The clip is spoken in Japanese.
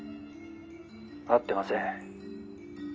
「会ってません」